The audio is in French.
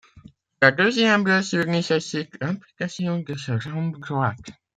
La deuxième blessure nécessite l'amputation de sa jambe droite.